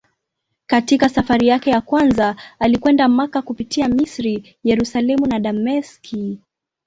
Katika safari yake ya kwanza alikwenda Makka kupitia Misri, Yerusalemu na Dameski.